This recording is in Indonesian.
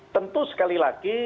tentu sekali lagi